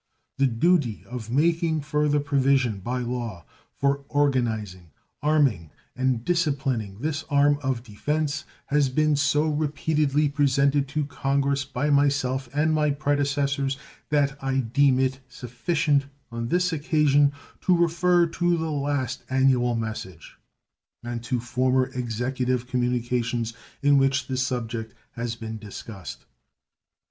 The duty of making further provision by law for organizing, arming, and disciplining this arm of defense has been so repeatedly presented to Congress by myself and my predecessors that I deem it sufficient on this occasion to refer to the last annual message and to former Executive communications in which the subject has been discussed.